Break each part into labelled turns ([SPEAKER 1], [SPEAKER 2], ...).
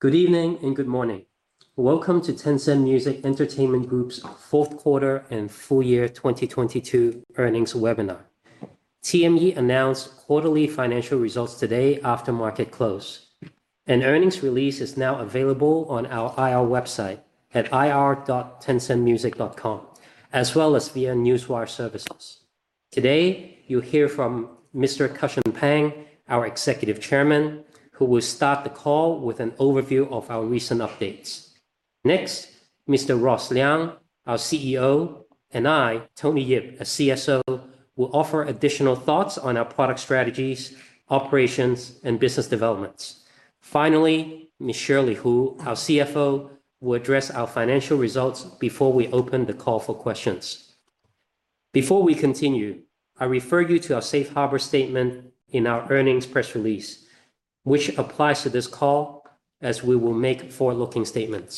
[SPEAKER 1] Good evening and good morning. Welcome to Tencent Music Entertainment Group's fourth quarter and full year 2022 earnings webinar. TME announced quarterly financial results today after market close. An earnings release is now available on our IR website at ir.tencentmusic.com, as well as via Newswire services. Today, you'll hear from Mr. Cussion Pang, our executive chairman, who will start the call with an overview of our recent updates. Mr. Ross Liang, our CEO, and I, Tony Yip, a CSO, will offer additional thoughts on our product strategies, operations, and business developments. Ms. Shirley Hu, our CFO, will address our financial results before we open the call for questions. Before we continue, I refer you to our safe harbor statement in our earnings press release, which applies to this call as we will make forward-looking statements.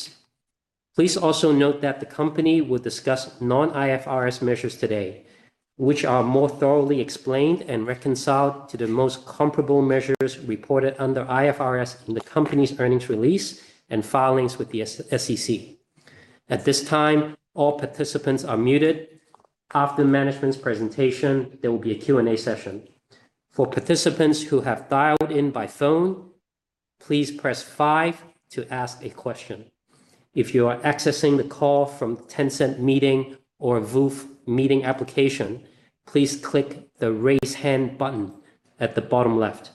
[SPEAKER 1] Please also note that the company will discuss non-IFRS measures today, which are more thoroughly explained and reconciled to the most comparable measures reported under IFRS in the company's earnings release and filings with the SEC. At this time, all participants are muted. After the management's presentation, there will be a Q&A session. For participants who have dialed in by phone, please press five to ask a question. If you are accessing the call from Tencent Meeting or VooV Meeting application, please click the Raise Hand button at the bottom left.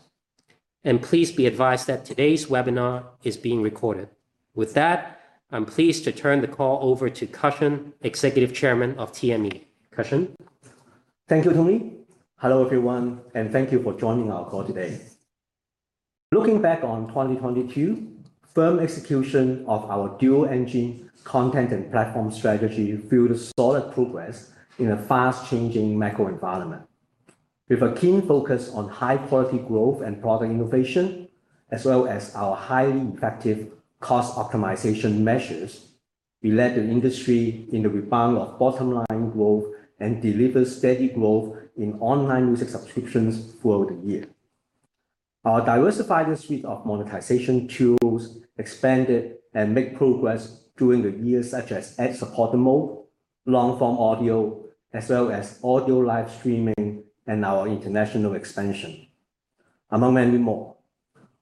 [SPEAKER 1] Please be advised that today's webinar is being recorded. With that, I'm pleased to turn the call over to Cussion Pang, Executive Chairman of TME. Cussion Pang.
[SPEAKER 2] Thank you, Tony. Hello, everyone, and thank you for joining our call today. Looking back on 2022, firm execution of our dual engine content and platform strategy fueled solid progress in a fast-changing macro environment. With a keen focus on high-quality growth and product innovation, as well as our highly effective cost optimization measures, we led the industry in the rebound of bottom line growth and delivered steady growth in online music subscriptions throughout the year. Our diversified suite of monetization tools expanded and make progress during the year, such as ad-supported mode, long-form audio, as well as audio live streaming, and our international expansion, among many more.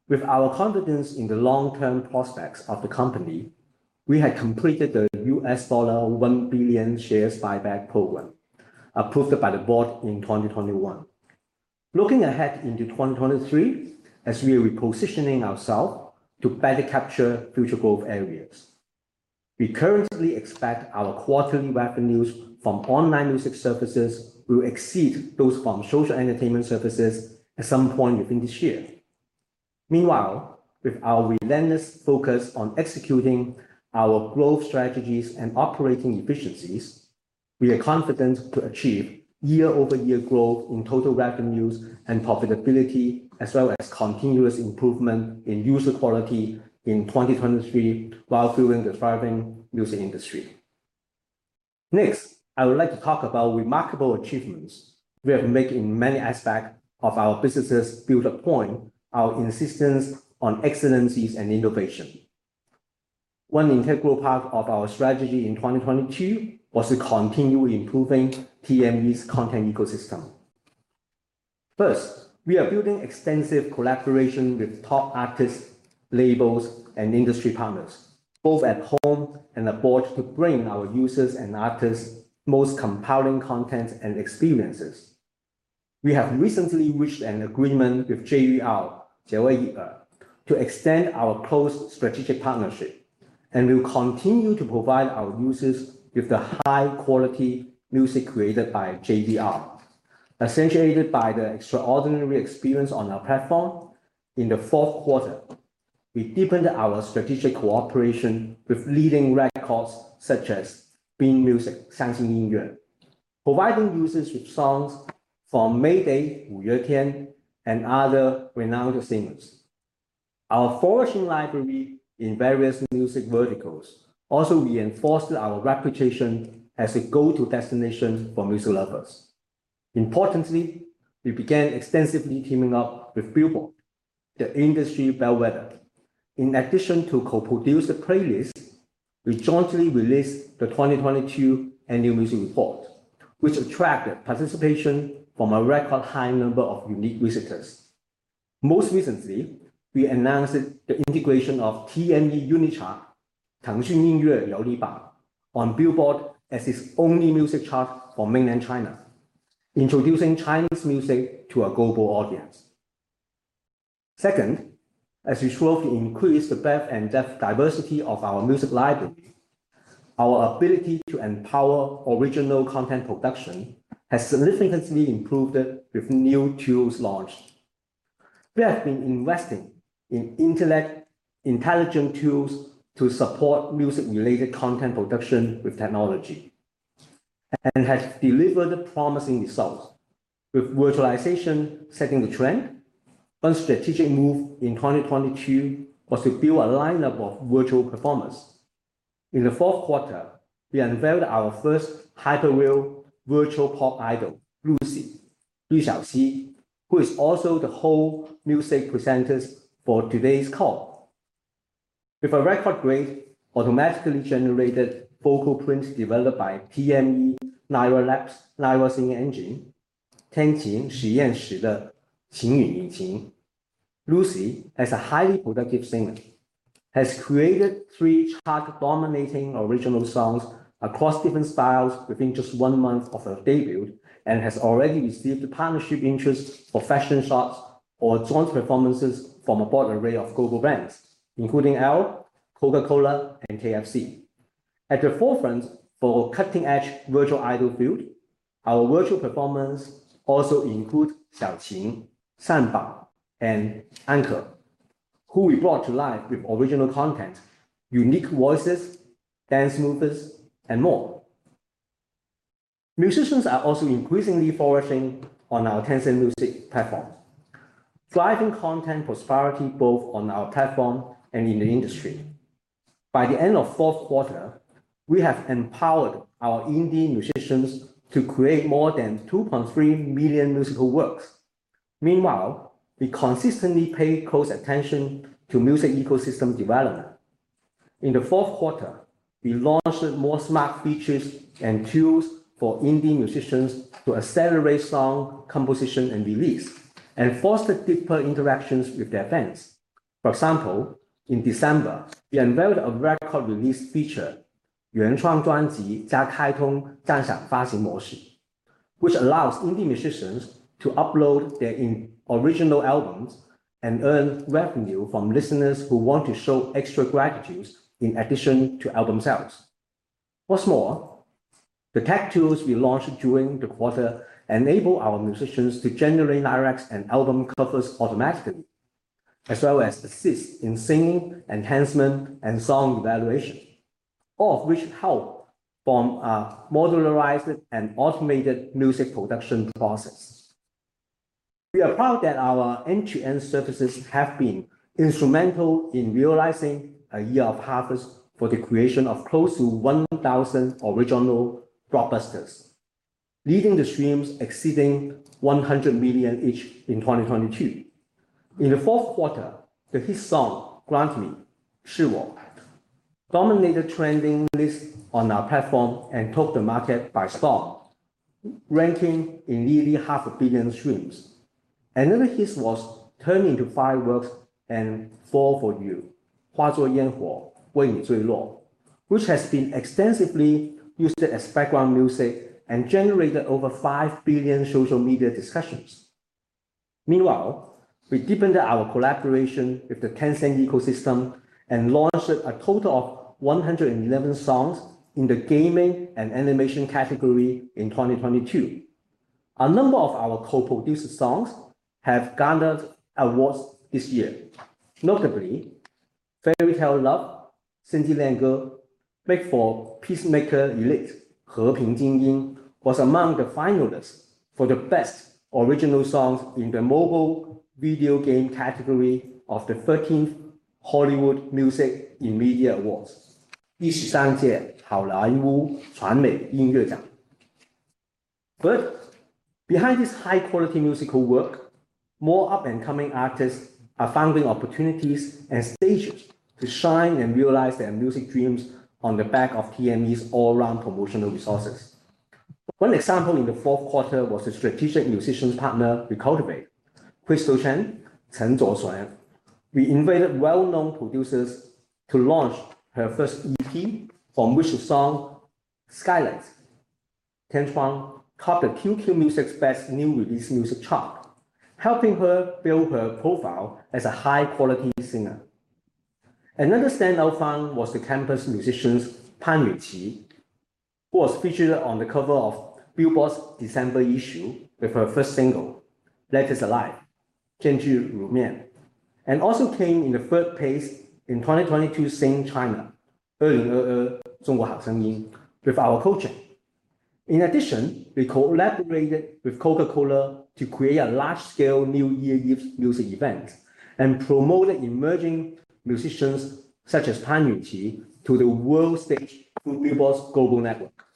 [SPEAKER 2] With our confidence in the long-term prospects of the company, we had completed the $1 billion share buyback program approved by the board in 2021. Looking ahead into 2023, as we are repositioning ourselves to better capture future growth areas, we currently expect our quarterly revenues from online music services will exceed those from social entertainment services at some point within this year. Meanwhile, with our relentless focus on executing our growth strategies and operating efficiencies, we are confident to achieve year-over-year growth in total revenues and profitability, as well as continuous improvement in user quality in 2023 while fueling the thriving music industry. Next, I would like to talk about remarkable achievements we have made in many aspects of our businesses to build upon our insistence on excellencies and innovation. We are building extensive collaboration with top artists, labels, and industry partners, both at home and abroad, to bring our users and artists most compelling content and experiences. One integral part of our strategy in 2022 was to continue improving TME's content ecosystem. We have recently reached an agreement with Jay Chou, 젤웨이에르, to extend our close strategic partnership, and we will continue to provide our users with the high-quality music created by Jay Chou, accentuated by the extraordinary experience on our platform. In the fourth quarter, we deepened our strategic cooperation with leading records such as B Music, 三星音 乐, providing users with songs from Mayday, 五月 天, and other renowned singers. Our flourishing library in various music verticals also reinforced our reputation as a go-to destination for music lovers. Importantly, we began extensively teaming up with Billboard, the industry bellwether. In addition to co-produce a playlist, we jointly released the 2022 Annual Music Report, which attracted participation from a record high number of unique visitors. Most recently, we announced the integration of TME UNI Chart, 腾讯音乐有力 榜, on Billboard as its only music chart for mainland China, introducing Chinese music to a global audience. Second, as we drove to increase the breadth and depth diversity of our music library, our ability to empower original content production has significantly improved with new tools launched. We have been investing in intelligent tools to support music-related content production with technology and has delivered promising results. With virtualization setting the trend, one strategic move in 2022 was to build a lineup of virtual performers. In the Q4, we unveiled our first hyper-real virtual pop idol, LUCY, 吕小 希, who is also the whole music presenters for today's call. With a record-grade automatically generated vocal prints developed by TME LYRA LAB's LyraSinger Engine, 听琴实验室的琴语引 擎, LUCY, as a highly productive singer, has created three chart-dominating original songs across different styles within just one month of her debut and has already received partnership interest for fashion shots or joint performances from a broad array of global brands, including ELLE, Coca-Cola, and KFC. At the forefront for cutting-edge virtual idol field, our virtual performers also include Xiaoqin, Shanbao, and Anko, who we brought to life with original content, unique voices, dance moves, and more. Musicians are also increasingly flourishing on our Tencent Music platforms, driving content prosperity both on our platform and in the industry. By the end of fourth quarter, we have empowered our indie musicians to create more than 2.3 million musical works. Meanwhile, we consistently pay close attention to music ecosystem development. In the fourth quarter, we launched more smart features and tools for indie musicians to accelerate song composition and release and foster deeper interactions with their fans. For example, in December, we unveiled a record release feature, 原创专辑将开通赞赏发行模 式, which allows indie musicians to upload their original albums and earn revenue from listeners who want to show extra gratitudes in addition to album sales. What's more, the tech tools we launched during the quarter enable our musicians to generate lyrics and album covers automatically, as well as assist in singing enhancement and song evaluation, all of which help form a modularized and automated music production process. We are proud that our end-to-end services have been instrumental in realizing a year of harvest for the creation of close to 1,000 original blockbusters, leading to streams exceeding 100 million each in 2022. In the fourth quarter, the hit song, Grant Me, 赐 我, dominated trending lists on our platform and took the market by storm, ranking in nearly half a billion streams. Another hit was Turn into Fireworks and Fall for You, 化作烟火、为你坠 落, which has been extensively used as background music and generated over 5 billion social media discussions. Meanwhile, we deepened our collaboration with the Tencent ecosystem and launched a total of 111 songs in the gaming and animation category in 2022. A number of our co-produced songs have garnered awards this year. Notably, Fairytale Love, 仙境恋 歌, made for Peacekeeper Elite, 和平精 英, was among the finalists for the Best Original Song in the Mobile Video Game category of the 13th Hollywood Music in Media Awards, 第十三届好莱坞传媒音乐 奖. Behind this high-quality musical work, more up-and-coming artists are finding opportunities and stages to shine and realize their music dreams on the back of TME's all-around promotional resources. One example in the fourth quarter was a strategic musician partner we cultivate, Krystal Chen, 陈卓 璇. We invited well-known producers to launch her first EP, from which the song, Skylights, 天 光, topped the QQ Music's Best New Release Music chart, helping her build her profile as a high-quality singer. Another standout find was the campus musician, Pan Yunqi, who was featured on the cover of Billboard's December issue with her first single, Letters Alive, 见字如 面, and also came in the third place in 2022 Sing China, 恶人恶人中国好声 音, with our coaching. We collaborated with Coca-Cola to create a large-scale New Year's music event and promoted emerging musicians such as Pan Yunqi to the world stage through Billboard's global network.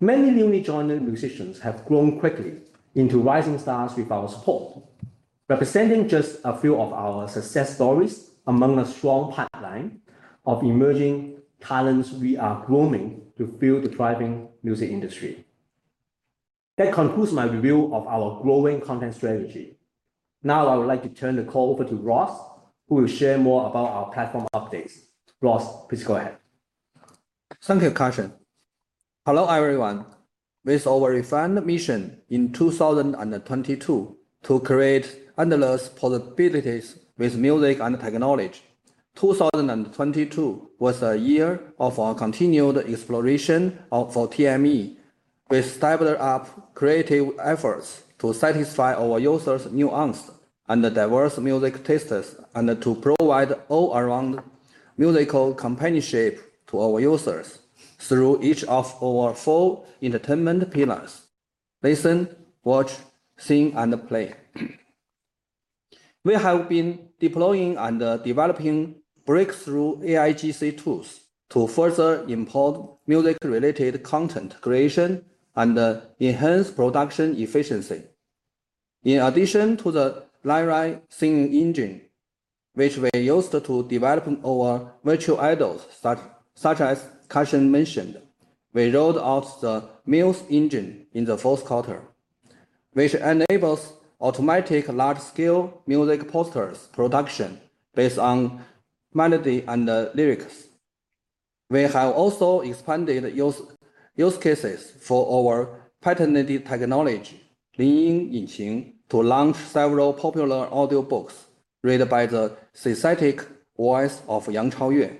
[SPEAKER 2] Many newly joined musicians have grown quickly into rising stars with our support, representing just a few of our success stories among a strong pipeline of emerging talents we are grooming to fuel the thriving music industry. That concludes my review of our growing content strategy. Now I would like to turn the call over to Ross, who will share more about our platform updates. Ross, please go ahead.
[SPEAKER 3] Thank you, Cussion. Hello, everyone. With our refined mission in 2022 to create endless possibilities with music and technology, 2022 was a year of our continued exploration for TME. We stable up creative efforts to satisfy our users' nuanced and diverse music tastes and to provide all-around musical companionship to our users through each of our four entertainment pillars: listen, watch, sing, and play. We have been deploying and developing breakthrough AIGC tools to further import music-related content creation and enhance production efficiency. In addition to the Lyra singing engine, which we used to develop our virtual idols, such as Kasha mentioned, we rolled out the Muse Engine in the fourth quarter, which enables automatic large-scale music posters production based on melody and the lyrics. We have also expanded use cases for our patented technology, Ling Yin Engine, to launch several popular audiobooks read by the synthetic voice of Yang Chaoyue,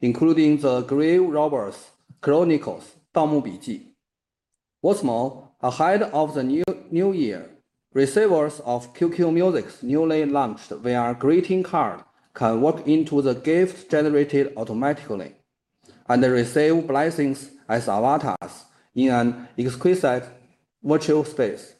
[SPEAKER 3] including The Grave Robbers' Chronicles, 盗墓笔 记. What's more, ahead of the new year, receivers of QQ Music's newly launched VR greeting card can walk into the gift generated automatically, and they receive blessings as avatars in an exquisite virtual space.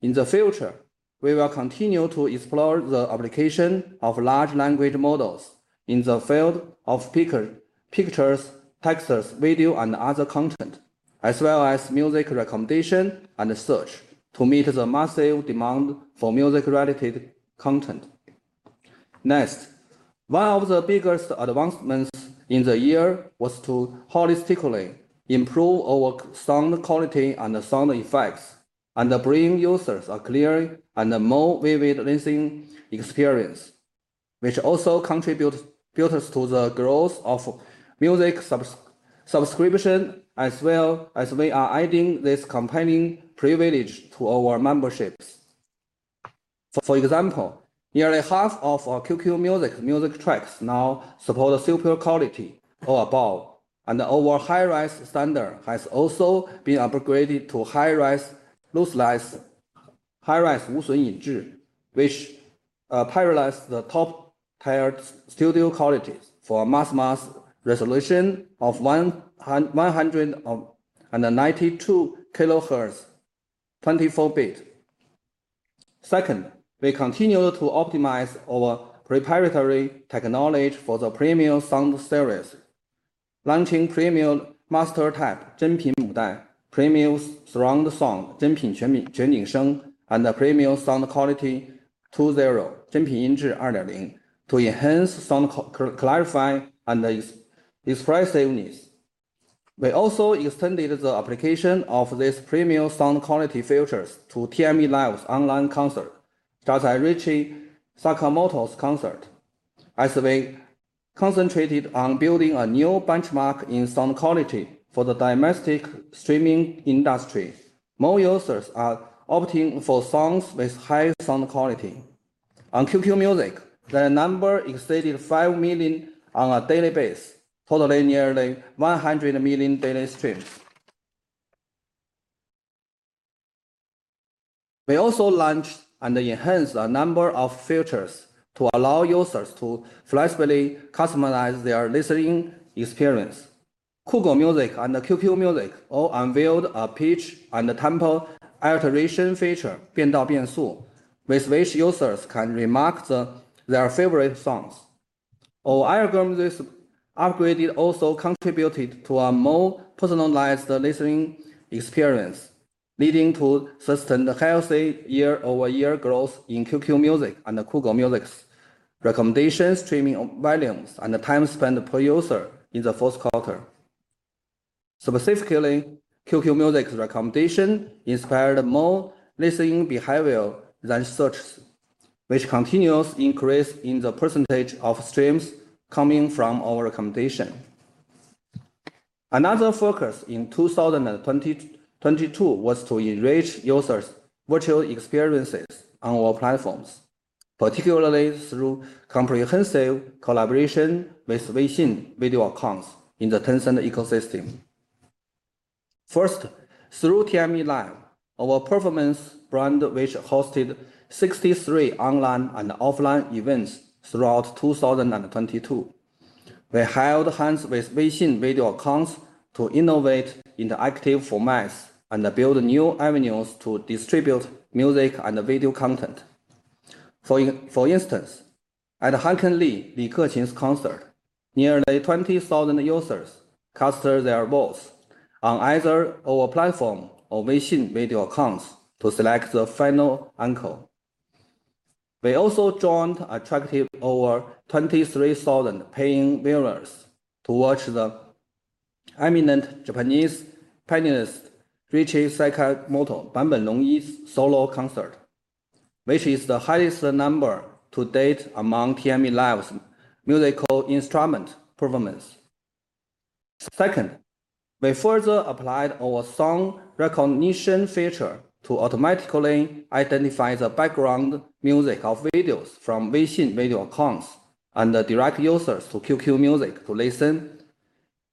[SPEAKER 3] In the future, we will continue to explore the application of large language models in the field of pictures, texts, video, and other content, as well as music recommendation and search to meet the massive demand for music-related content. One of the biggest advancements in the year was to holistically improve our sound quality and sound effects, and bring users a clear and a more vivid listening experience, which also contributes to the growth of music subscription, as well as we are adding this compelling privilege to our memberships. For example, nearly half of our QQ Music music tracks now support superior quality or above, and our Hi-Res standard has also been upgraded to Hi-Res Lossless, Hi-Res 无损音 质, which parallels the top-tier studio qualities for a maximum resolution of 100 and 92 kHz, 24 bit. We continue to optimize our proprietary technology for the premium sound series, launching Premium Master Tape, 真品母 带, Premium Surround Sound, 真品全 景, 全景 声, and Premium Sound Quality 2.0, 真品音质二点 零, to enhance sound clarify and expressiveness. We also extended the application of these premium sound quality features to TME live's online concert, such as Ryuichi Sakamoto's concert, as we concentrated on building a new benchmark in sound quality for the domestic streaming industry. More users are opting for songs with high sound quality. On QQ Music, their number exceeded 5 million on a daily basis, totaling nearly 100 million daily streams. We also launched and enhanced a number of features to allow users to flexibly customize their listening experience. Kugou Music and QQ Music all unveiled a pitch and a tempo alteration feature, 变调变 速, with which users can remix their favorite songs. Our algorithms upgraded also contributed to a more personalized listening experience, leading to sustained healthy year-over-year growth in QQ Music and the Kugou Music's recommendations, streaming volumes, and the time spent per user in the fourth quarter. Specifically, QQ Music's recommendation inspired more listening behavior than search, which continues increase in the percentage of streams coming from our recommendation. Another focus in 2022 was to enrich users' virtual experiences on our platforms, particularly through comprehensive collaboration with Weixin video accounts in the Tencent ecosystem. Through TME live, our performance brand which hosted 63 online and offline events throughout 2022. We held hands with Weixin video accounts to innovate interactive formats and build new avenues to distribute music and video content. For instance, at Hacken Lee, 李克勤 's concert, nearly 20,000 users cast their votes on either our platform or Weixin video accounts to select the final encore. We also joined, attracted over 23,000 paying viewers to watch the eminent Japanese pianist Ryuichi Sakamoto, 坂本龙一 's solo concert, which is the highest number to date among TME live's musical instrument performance. We further applied our song recognition feature to automatically identify the background music of videos from Weixin video accounts, and direct users to QQ Music to listen,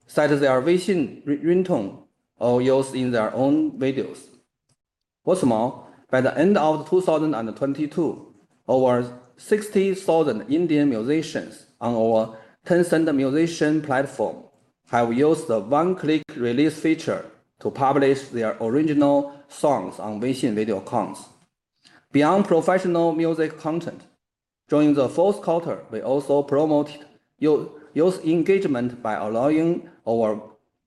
[SPEAKER 3] set as their Weixin ringtone, or use in their own videos. What's more, by the end of 2022, over 60,000 indie musicians on our Tencent Musician Platform have used the one-click release feature to publish their original songs on WeChat video accounts. Beyond professional music content, during the fourth quarter, we also promoted user engagement by allowing our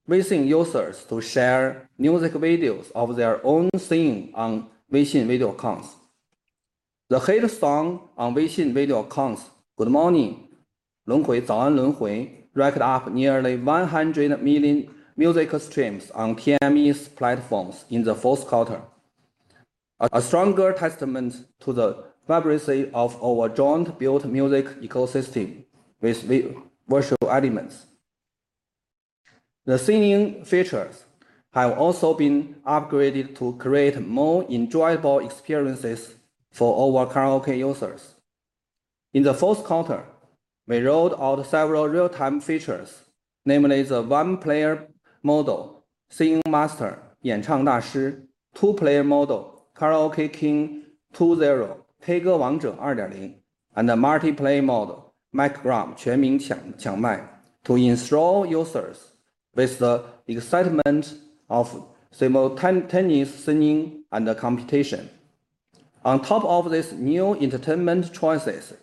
[SPEAKER 3] recent users to share music videos of their own singing on WeChat video accounts. The hit song on WeChat video accounts, Good Morning, 轮 回, 早安轮 回, racked up nearly 100 million music streams on TME's platforms in the fourth quarter. A stronger testament to the vibrancy of our joint built music ecosystem with virtual elements. The singing features have also been upgraded to create more enjoyable experiences for our karaoke users. In the fourth quarter, we rolled out several real-time features, namely the one-player mode Singing Master, 演唱大 师, two-player model Karaoke King 2.0, K 歌王者 2.0, and the multi-player mode Mic ROM, 全民 抢, 抢 麦, to enthrall users with the excitement of simultaneous singing and competition. On top of these new entertainment choices,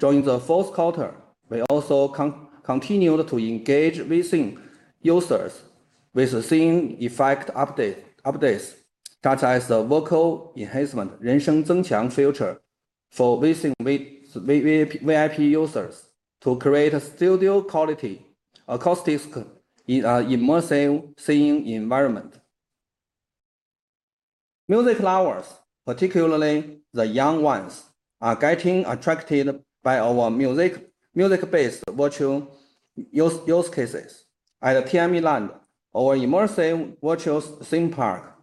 [SPEAKER 3] during the fourth quarter, we also continued to engage WeChat users with the singing effect updates, such as the vocal enhancement, 人声增强 feature for WeChat VIP users to create a studio-quality acoustics in our immersive singing environment. Music lovers, particularly the young ones, are getting attracted by our music-based virtual use cases. At TME Land, our immersive virtual singing park,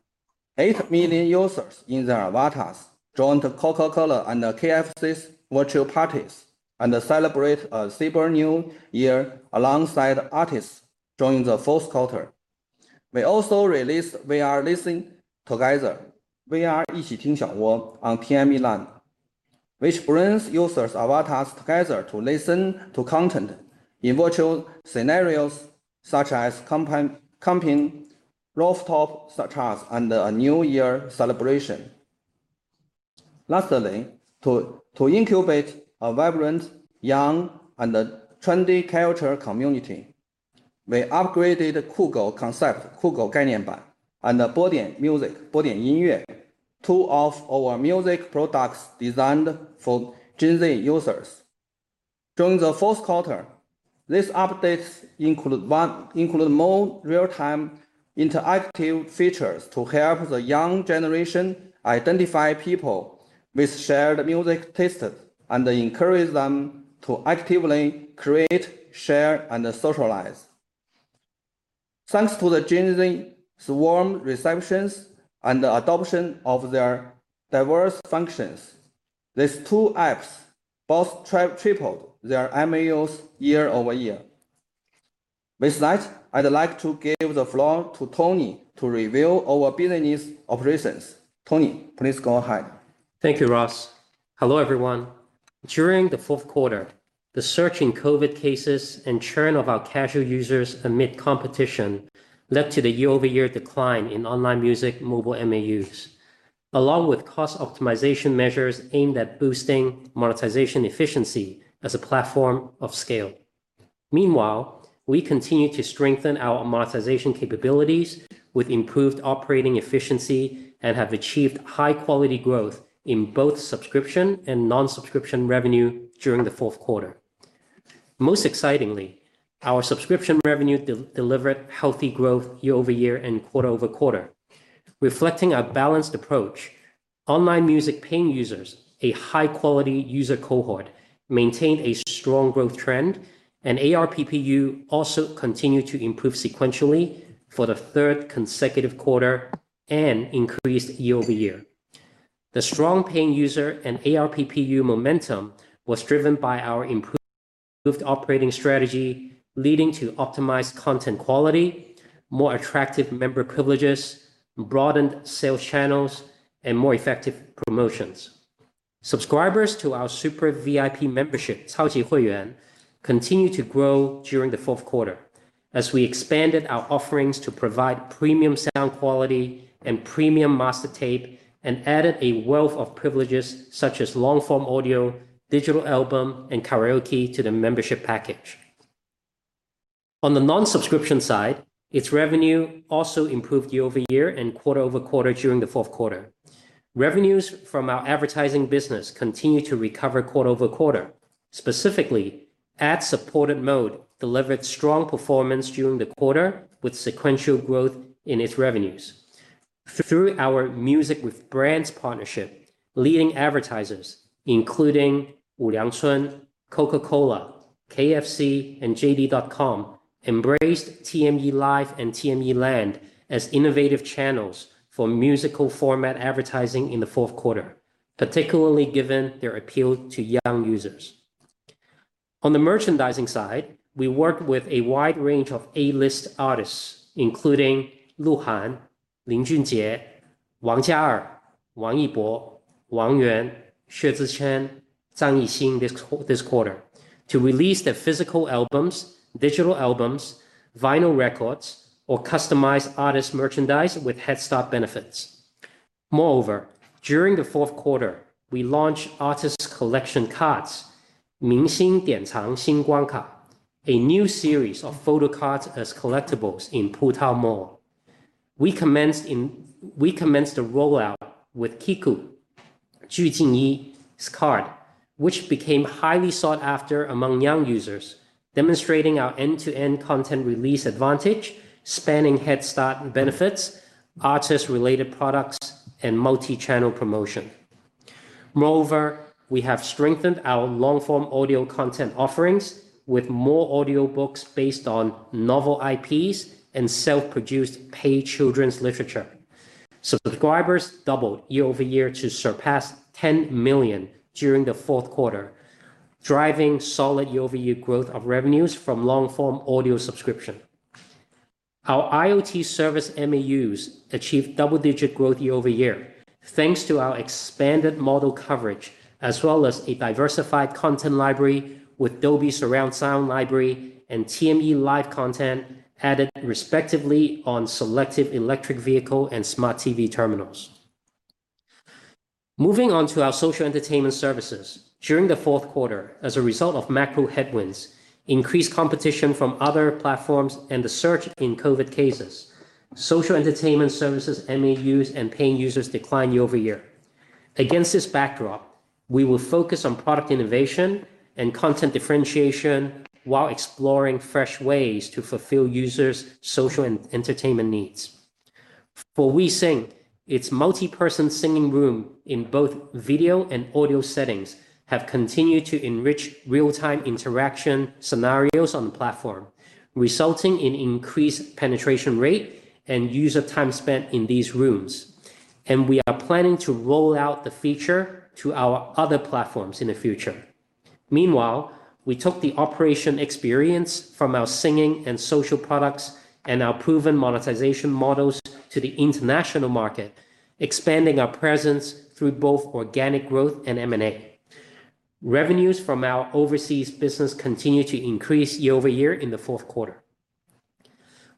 [SPEAKER 3] 8 million users in their avatars joined the Coca-Cola and the KFC's virtual parties and celebrate a super New Year alongside artists during the fourth quarter. We also released We Are Listening Together, We Are 一起听相 声, on TME Land, which brings users' avatars together to listen to content in virtual scenarios such as camping, rooftop star charts, and a New Year celebration. Lastly, to incubate a vibrant young and trendy culture community, we upgraded Kugou Concept, Kugou 概念 版, and the Bodian Music, Bodian 音 乐, two of our music products designed for Gen Z users. During the fourth quarter, these updates include more real-time interactive features to help the young generation identify people with shared music tastes and encourage them to actively create, share, and socialize. Thanks to the Gen Z warm receptions and the adoption of their diverse functions, these two apps both tripled their MAUs year-over-year. With that, I'd like to give the floor to Tony to reveal our business operations. Tony, please go ahead.
[SPEAKER 1] Thank you, Ross. Hello, everyone. During the fourth quarter, the surge in COVID cases and churn of our casual users amid competition led to the year-over-year decline in online music mobile MAUs, along with cost optimization measures aimed at boosting monetization efficiency as a platform of scale. Meanwhile, we continue to strengthen our monetization capabilities with improved operating efficiency and have achieved high quality growth in both subscription and non-subscription revenue during the fourth quarter. Most excitingly, our subscription revenue de-delivered healthy growth year-over-year and quarter-over-quarter. Reflecting our balanced approach, online music paying users, a high quality user cohort, maintained a strong growth trend, and ARPPU also continued to improve sequentially for the third consecutive quarter and increased year-over-year. The strong paying user and ARPPU momentum was driven by our improved operating strategy, leading to optimized content quality, more attractive member privileges, broadened sales channels, and more effective promotions. Subscribers to our Super VIP membership, 超级会 员, continued to grow during the fourth quarter as we expanded our offerings to provide premium sound quality and Premium Master Tape and added a wealth of privileges such as long form audio, digital album, and karaoke to the membership package. On the non-subscription side, its revenue also improved year-over-year and quarter-over-quarter during the fourth quarter. Revenues from our advertising business continued to recover quarter-over-quarter. Specifically, ad-supported mode delivered strong performance during the quarter with sequential growth in its revenues. Through our music with brands partnership, leading advertisers, including Wuliangye, Coca-Cola, KFC, and JD.com, embraced TME live and TME Land as innovative channels for musical format advertising in the fourth quarter, particularly given their appeal to young users. On the merchandising side, we worked with a wide range of A-list artists, including Lu Han, Lin Junjie, Wang Jiaer, Wang Yibo, Wang Yuan, Xue Zhiqian, Zhang Yixing this quarter to release their physical albums, digital albums, vinyl records, or customized artist merchandise with headstart benefits. Moreover, during the fourth quarter, we launched Artist Collection Cards, a new series of photo cards as collectibles in Puta Mall. We commenced the rollout with Kiku's card, which became highly sought after among young users, demonstrating our end-to-end content release advantage, spanning headstart benefits, artist-related products, and multi-channel promotion. Moreover, we have strengthened our long-form audio content offerings with more audiobooks based on novel IPs and self-produced paid children's literature. Subscribers doubled year-over-year to surpass 10 million during the fourth quarter, driving solid year-over-year growth of revenues from long-form audio subscription. Our IoT service MAUs achieved double-digit growth year-over-year, thanks to our expanded model coverage, as well as a diversified content library with Dolby Atmos sound library and TME live content added respectively on selective electric vehicle and smart TV terminals. Moving on to our social entertainment services. During the fourth quarter, as a result of macro headwinds, increased competition from other platforms, and the surge in COVID cases, social entertainment services MAUs and paying users declined year-over-year. Against this backdrop, we will focus on product innovation and content differentiation while exploring fresh ways to fulfill users' social entertainment needs. For WeSing, its multi-person singing room in both video and audio settings have continued to enrich real-time interaction scenarios on the platform, resulting in increased penetration rate and user time spent in these rooms. We are planning to roll out the feature to our other platforms in the future. Meanwhile, we took the operation experience from our singing and social products and our proven monetization models to the international market, expanding our presence through both organic growth and M&A. Revenues from our overseas business continued to increase year-over-year in the fourth quarter.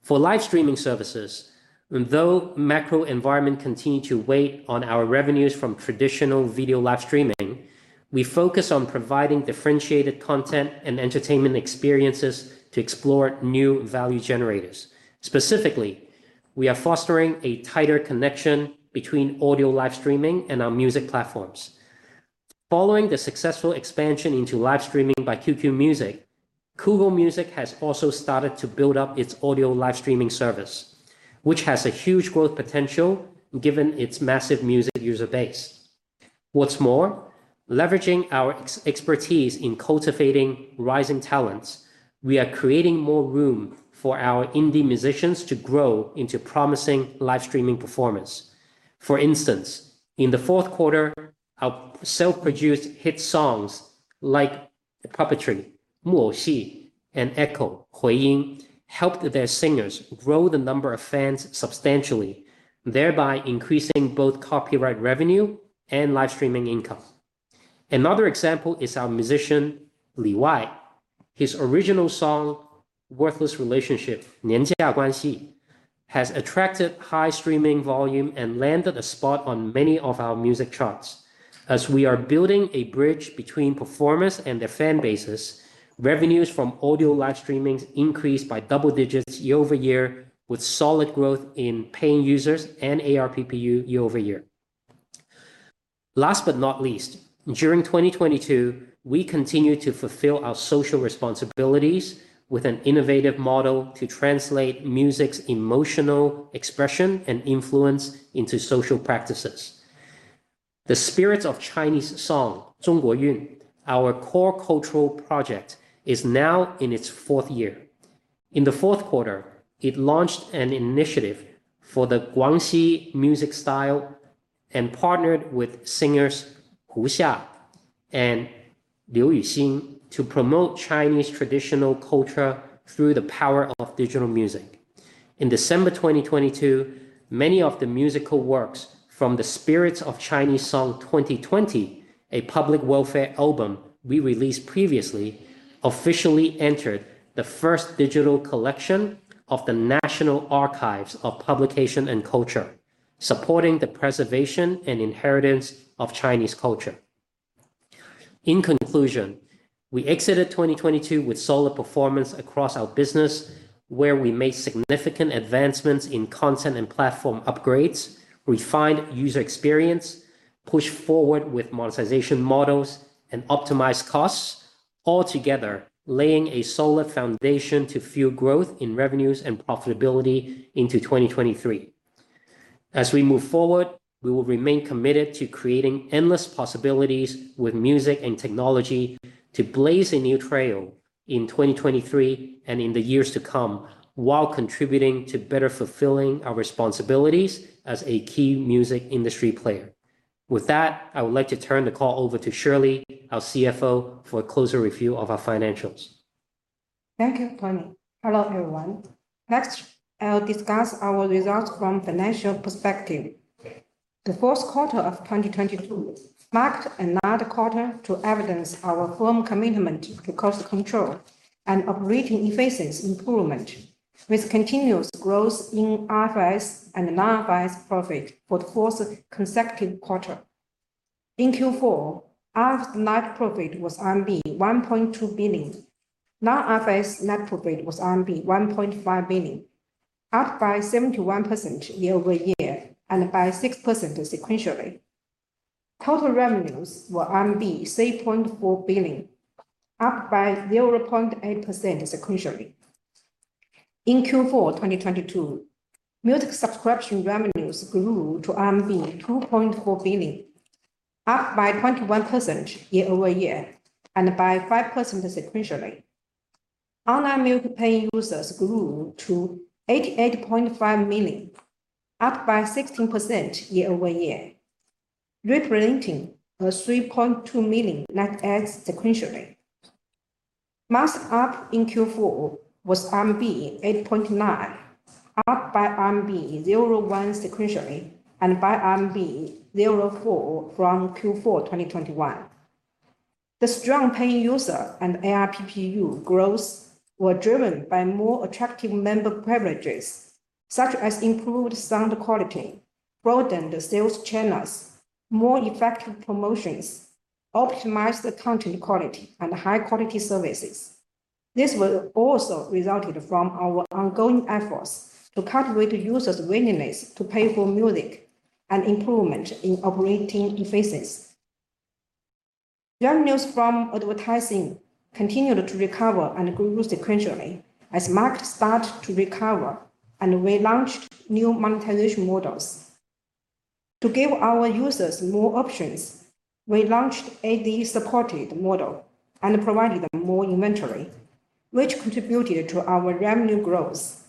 [SPEAKER 1] For live streaming services, though macro environment continued to weigh on our revenues from traditional video live streaming, we focus on providing differentiated content and entertainment experiences to explore new value generators. Specifically, we are fostering a tighter connection between audio live streaming and our music platforms. Following the successful expansion into live streaming by QQ Music, Kugou Music has also started to build up its audio live streaming service, which has a huge growth potential given its massive music user base. Leveraging our expertise in cultivating rising talents, we are creating more room for our indie musicians to grow into promising live streaming performers. For instance, in the fourth quarter, our self-produced hit songs like Puppetry, 木偶 戏, and Echo, 回 音, helped their singers grow the number of fans substantially, thereby increasing both copyright revenue and live streaming income. Another example is our musician Li Wai. His original song, Worthless Relationship, 年假关 系, has attracted high streaming volume and landed a spot on many of our music charts. As we are building a bridge between performers and their fan bases, revenues from audio live streamings increased by double digits year-over-year, with solid growth in paying users and ARPPU year-over-year. Last but not least, during 2022, we continued to fulfill our social responsibilities with an innovative model to translate music's emotional expression and influence into social practices. The Spirit of Chinese Song, 中国 韵, our core cultural project, is now in its fourth year. In the fourth quarter, it launched an initiative for the Guangxi music style and partnered with singers Hu Xia and Liu Yuxin to promote Chinese traditional culture through the power of digital music. In December 2022, many of the musical works from The Spirit of Chinese Song 2020, a public welfare album we released previously, officially entered the first digital collection of the National Archives of Publications and Culture, supporting the preservation and inheritance of Chinese culture. In conclusion, we exited 2022 with solid performance across our business, where we made significant advancements in content and platform upgrades, refined user experience, pushed forward with monetization models, and optimized costs, all together laying a solid foundation to fuel growth in revenues and profitability into 2023. As we move forward, we will remain committed to creating endless possibilities with music and technology to blaze a new trail in 2023 and in the years to come, while contributing to better fulfilling our responsibilities as a key music industry player. With that, I would like to turn the call over to Shirley, our CFO, for a closer review of our financials.
[SPEAKER 4] Thank you, Tony. Hello, everyone. I'll discuss our results from financial perspective. The fourth quarter of 2022 marked another quarter to evidence our firm commitment to cost control and operating efficiency improvement with continuous growth in IFRS and non-IFRS profit for the fourth consecutive quarter. In Q4, IFRS net profit was RMB 1.2 billion. Non-IFRS net profit was RMB 1.5 billion, up by 71% year-over-year and by 6% sequentially. Total revenues were RMB 3.4 billion, up by 0.8% sequentially. In Q4 2022, music subscription revenues grew to 2.4 billion, up by 21% year-over-year and by 5% sequentially. Online music paying users grew to 88.5 million, up by 16% year-over-year, representing a 3.2 million net adds sequentially. MAU up in Q4 was RMB 8.9, up by RMB 0.1 sequentially and by RMB 0.4 from Q4 2021. The strong paying user and ARPPU growth were driven by more attractive member privileges, such as improved sound quality, broadened sales channels, more effective promotions, optimized content quality, and high-quality services. This was also resulted from our ongoing efforts to cultivate users' willingness to pay for music and improvement in operating efficiencies. Revenues from advertising continued to recover and grew sequentially as markets started to recover and we launched new monetization models. To give our users more options, we launched AD-supported model and provided more inventory, which contributed to our revenue growth.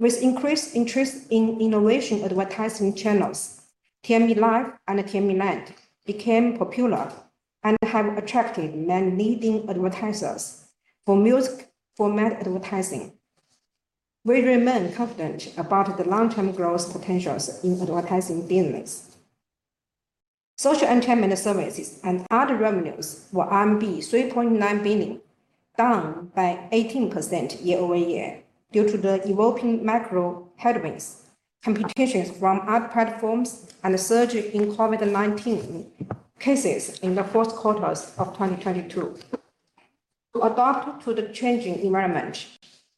[SPEAKER 4] With increased interest in innovation advertising channels, TME live and TME Land became popular and have attracted many leading advertisers for music format advertising. We remain confident about the long-term growth potentials in advertising business. Social entertainment services and other revenues were RMB 3.9 billion, down by 18% year-over-year due to the evolving macro headwinds, competitions from other platforms, and surge in COVID-19 cases in the fourth quarter of 2022. To adapt to the changing environment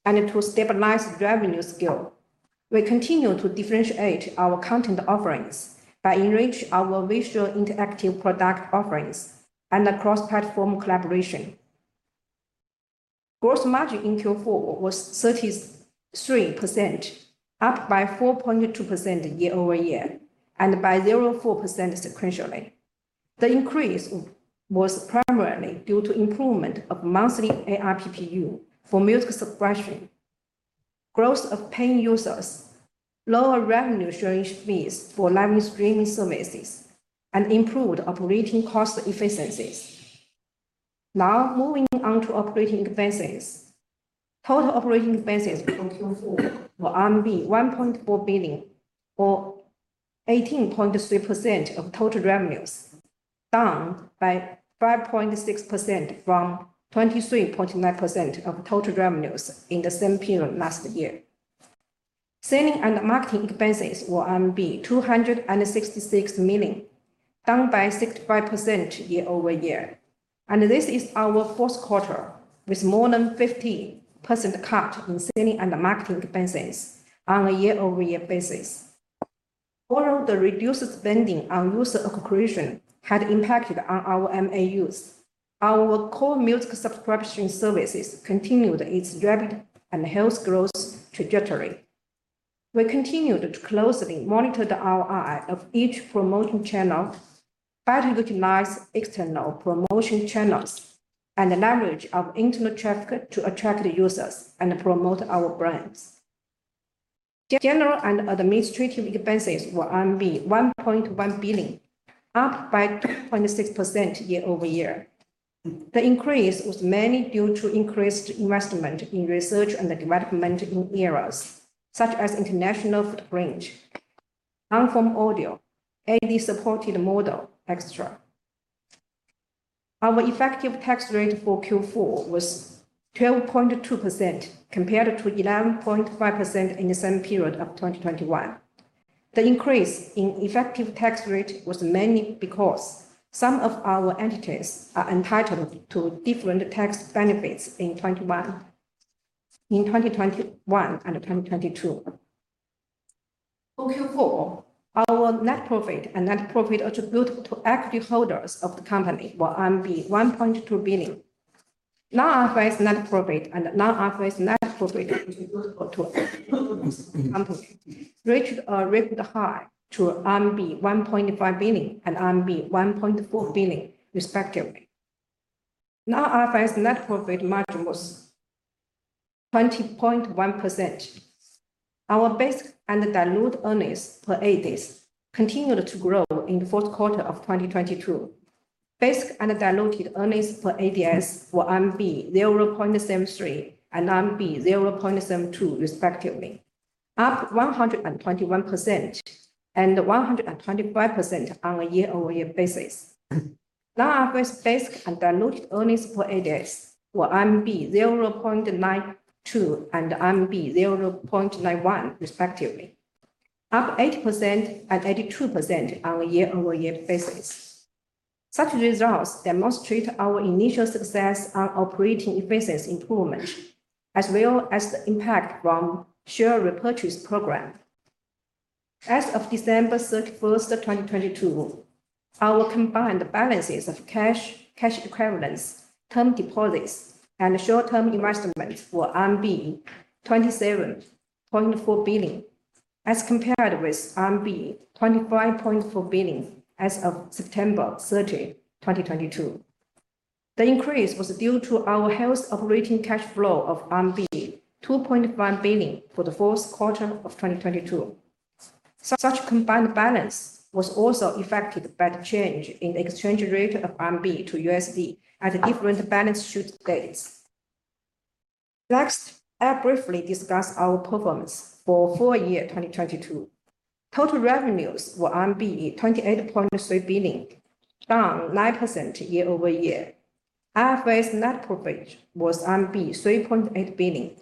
[SPEAKER 4] and to stabilize revenue scale, we continue to differentiate our content offerings by enrich our visual interactive product offerings and cross-platform collaboration. Gross margin in Q4 was 33%, up by 4.2% year-over-year and by 0.4% sequentially. The increase was primarily due to improvement of monthly ARPPU for music subscription, growth of paying users, lower revenue sharing fees for live streaming services, and improved operating cost efficiencies. Now moving on to operating expenses. Total operating expenses from Q4 were RMB 1.4 billion or 18.3% of total revenues, down by 5.6% from 23.9% of total revenues in the same period last year. Selling and marketing expenses were 266 million, down by 65% year-over-year. This is our fourth quarter with more than 50% cut in selling and marketing expenses on a year-over-year basis. Although the reduced spending on user acquisition had impacted our MAUs, our core music subscription services continued its rapid and health growth trajectory. We continued to closely monitor the ROI of each promotion channel by utilizing external promotion channels and leverage of internal traffic to attract users and promote our brands. General and administrative expenses were 1.1 billion, up by 26% year-over-year. The increase was mainly due to increased investment in research and development areas such as international footprint, on-film audio, AD-supported model, etc. Our effective tax rate for Q4 was 12.2% compared to 11.5% in the same period of 2021. The increase in effective tax rate was mainly because some of our entities are entitled to different tax benefits in 2021 and 2022. For Q4, our net profit and net profit attributable to equity holders of the company were 1.2 billion. Non-IFRS net profit and Non-IFRS net profit attributable to company reached a record high to RMB 1.5 billion and RMB 1.4 billion respectively. Non-IFRS net profit margin was 20.1%. Our basic and dilute earnings per ADS continued to grow in the fourth quarter of 2022. Basic and diluted earnings per ADS were 0.73 and 0.72 respectively, up 121% and 125% on a year-over-year basis. Non-IFRS basic and diluted earnings per ADS were 0.92 and 0.91 respectively, up 80% and 82% on a year-over-year basis. Such results demonstrate our initial success on operating efficiency improvement as well as the impact from share repurchase program. As of December 31, 2022, our combined balances of cash equivalents, term deposits, and short-term investments were RMB 27.4 billion as compared with RMB 25.4 billion as of September 30, 2022. The increase was due to our health operating cash flow of RMB 2.5 billion for the fourth quarter of 2022. Such combined balance was also affected by the change in exchange rate of RMB to USD at different balance sheet dates. Next, I'll briefly discuss our performance for full year 2022. Total revenues were 28.3 billion, down 9% year-over-year. Non-IFRS net profit was 3.8 billion.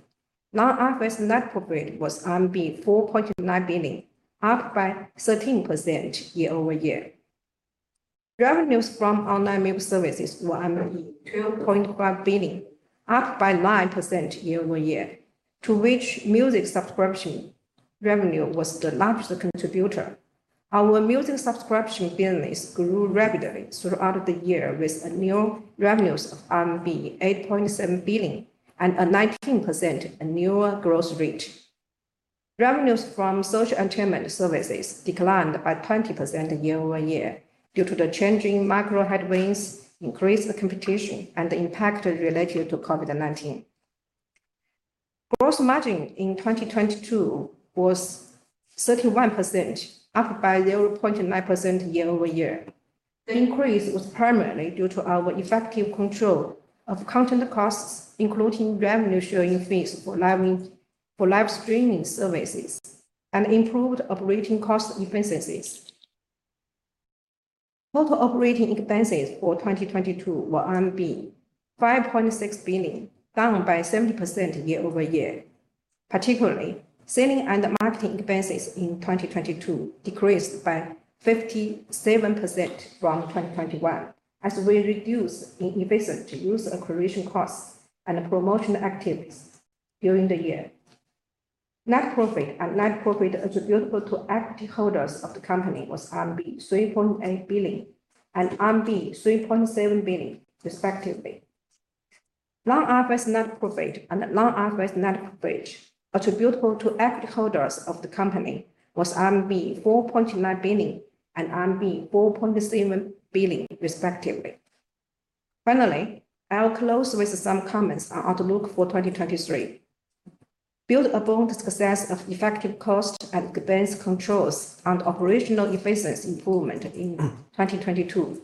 [SPEAKER 4] Non-IFRS net profit was 4.9 billion, up by 13% year-over-year. Revenues from online music services were 12.5 billion, up by 9% year-over-year, to which music subscription revenue was the largest contributor. Our music subscription business grew rapidly throughout the year with annual revenues of RMB 8.7 billion and a 19% annual growth rate. Revenues from social entertainment services declined by 20% year-over-year due to the changing macro headwinds, increased competition, and impact related to COVID-19. Gross margin in 2022 was 31%, up by 0.9% year-over-year. The increase was primarily due to our effective control of content costs, including revenue sharing fees for live streaming services and improved operating cost efficiencies. Total operating expenses for 2022 were 5.6 billion, down by 70% year-over-year. Particularly, selling and marketing expenses in 2022 decreased by 57% from 2021 as we reduced inefficient user acquisition costs and promotion activities during the year. Net profit and net profit attributable to equity holders of the company was RMB 3.8 billion and RMB 3.7 billion respectively. Non-IFRS net profit and Non-IFRS net profit attributable to equity holders of the company was RMB 4.9 billion and RMB 4.7 billion respectively. I'll close with some comments on outlook for 2023. Build upon the success of effective cost and expense controls and operational efficiency improvement in 2022.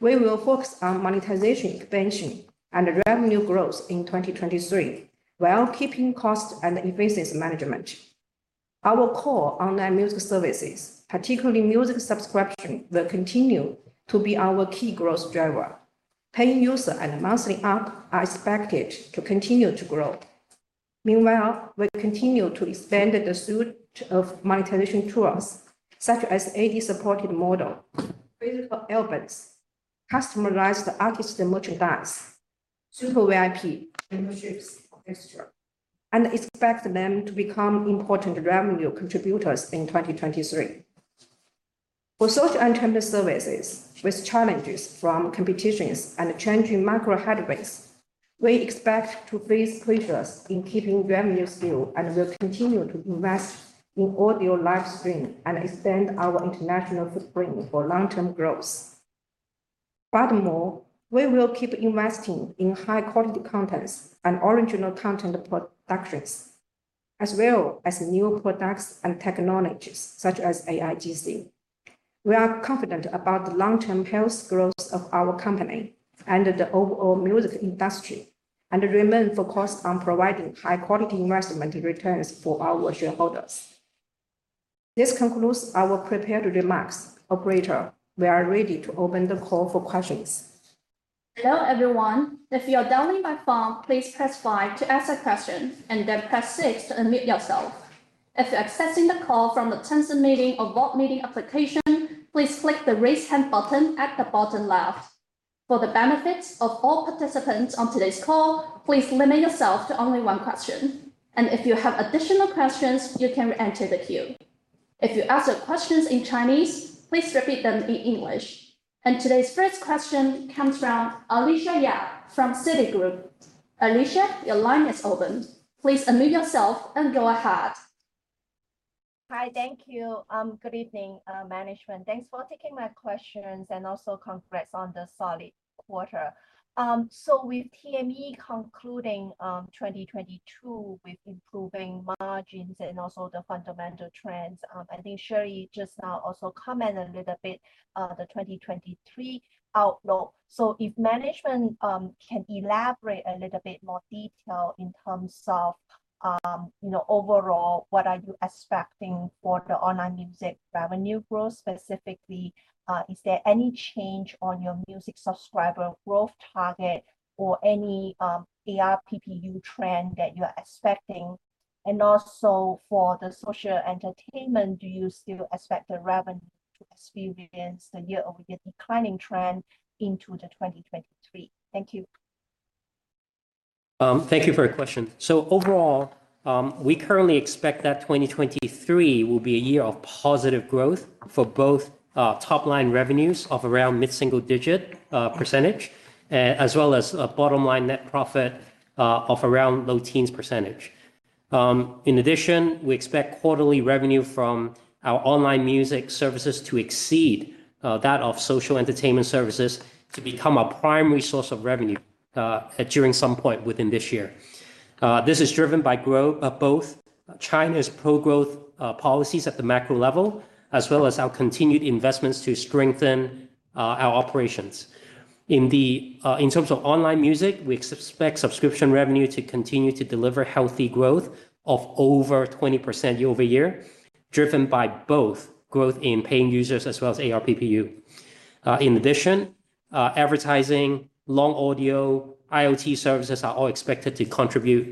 [SPEAKER 4] We will focus on monetization expansion and revenue growth in 2023 while keeping cost and efficiency management. Our core online music services, particularly music subscription, will continue to be our key growth driver. Paying user and monthly ARPPU are expected to continue to grow. We'll continue to expand the suite of monetization tools, such as ad-supported model, physical albums, customized artist merchandise, Super VIP memberships, etcetera, and expect them to become important revenue contributors in 2023. For social entertainment services, with challenges from competitions and changing macro headwinds, we expect to place pressures in keeping revenue still and will continue to invest in audio live stream and extend our international footprint for long-term growth. Furthermore, we will keep investing in high-quality contents and original content productions as well as new products and technologies such as AIGC. We are confident about the long-term health growth of our company and the overall music industry and remain focused on providing high-quality investment returns for our shareholders. This concludes our prepared remarks. Operator, we are ready to open the call for questions.
[SPEAKER 5] Hello, everyone. If you are dialing by phone, please press five to ask a question and then press 6 to unmute yourself. If you're accessing the call from the Tencent Meeting or Webex meeting application, please click the Raise Hand button at the bottom left. For the benefits of all participants on today's call, please limit yourself to only one question, and if you have additional questions, you can re-enter the queue. If you ask your questions in Chinese, please repeat them in English. Today's first question comes from Alicia Yap from Citigroup. Alicia, your line is open. Please unmute yourself and go ahead.
[SPEAKER 6] Hi. Thank you. Good evening, management. Thanks for taking my questions and also congrats on the solid quarter. With TME concluding, 2022 with improving margins and also the fundamental trends, I think Sherry just now also commented a little bit of the 2023 outlook. If management can elaborate a little bit more detail in terms of, you know, overall, what are you expecting for the online music revenue growth? Specifically, is there any change on your music subscriber growth target or any ARPPU trend that you are expecting? Also for the social entertainment, do you still expect the revenue to experience the year-over-year declining trend into the 2023? Thank you.
[SPEAKER 1] Thank you for your question. Overall, we currently expect that 2023 will be a year of positive growth for both top line revenues of around mid-single digit percentage, as well as a bottom line net profit of around low teens percentage. In addition, we expect quarterly revenue from our online music services to exceed that of social entertainment services to become our primary source of revenue during some point within this year. This is driven by both China's pro-growth policies at the macro level, as well as our continued investments to strengthen our operations. In terms of online music, we expect subscription revenue to continue to deliver healthy growth of over 20% year-over-year, driven by both growth in paying users as well as ARPPU. In addition, advertising, long audio, IoT services are all expected to contribute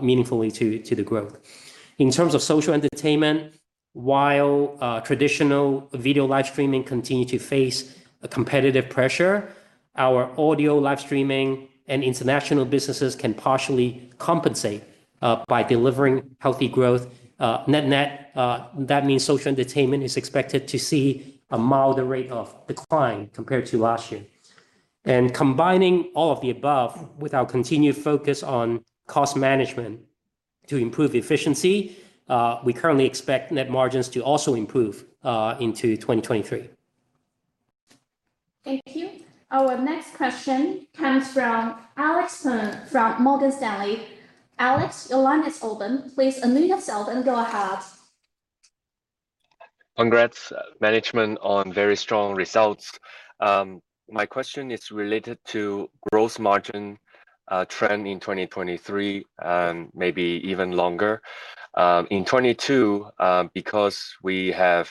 [SPEAKER 1] meaningfully to the growth. In terms of social entertainment, while traditional video live streaming continue to face a competitive pressure, our audio live streaming and international businesses can partially compensate by delivering healthy growth. Net-net, that means social entertainment is expected to see a milder rate of decline compared to last year. Combining all of the above with our continued focus on cost management to improve efficiency, we currently expect net margins to also improve into 2023.
[SPEAKER 5] Thank you. Our next question comes from Alex Poon from Morgan Stanley. Alex, your line is open. Please unmute yourself and go ahead.
[SPEAKER 7] Congrats management on very strong results. My question is related to gross margin, trend in 2023 and maybe even longer. In 2022, because we have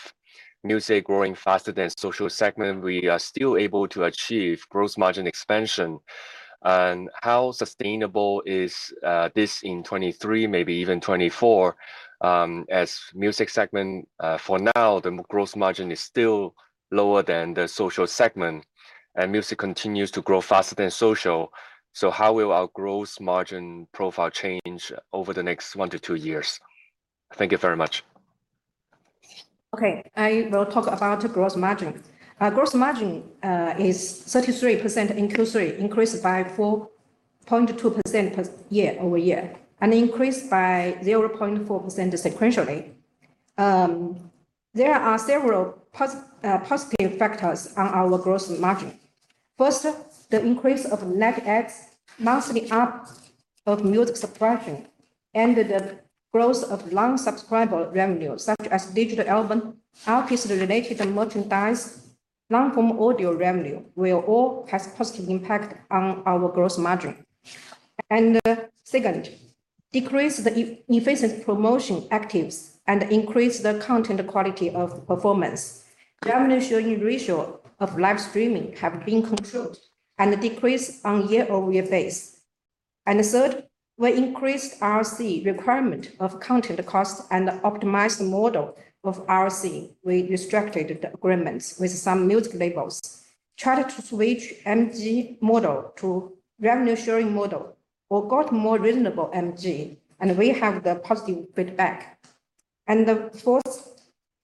[SPEAKER 7] music growing faster than social segment, we are still able to achieve gross margin expansion. How sustainable is this in 2023, maybe even 2024? As music segment, for now, the gross margin is still lower than the social segment, and music continues to grow faster than social. How will our gross margin profile change over the next one to two years? Thank you very much.
[SPEAKER 4] Okay. I will talk about gross margin. Our gross margin is 33% inclusive, increased by 4.2% year-over-year, increased by 0.4% sequentially. There are several positive factors on our gross margin. First, the increase of net adds, monthly apps of music subscription, and the growth of non-subscriber revenue, such as digital album, artist related merchandise, non-form audio revenue will all have positive impact on our gross margin. Second, decrease the efficiency promotion actives and increase the content quality of performance. Revenue sharing ratio of live streaming have been controlled and decreased on year-over-year base. Third, we increased R&C requirement of content cost and optimized the model of R&C. We restructured the agreements with some music labels, tried to switch MG model to revenue sharing model, or got more reasonable MG, we have the positive feedback. The fourth,